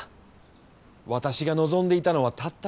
私が望んでいたのはたった一つ。